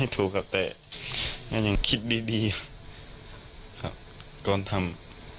ถูกครับแต่ก็ยังคิดดีครับก่อนทำ